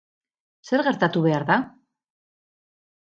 Zer gertatu behar da?